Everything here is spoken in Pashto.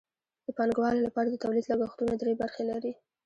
د پانګوالو لپاره د تولید لګښتونه درې برخې لري